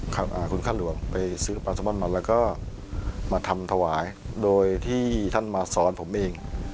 ค่ะอ่าคุณค่ะหลวงไปซื้อปลาสมนตร์หมดแล้วก็มาทำถวายโดยที่ท่านมาสอนผมเอง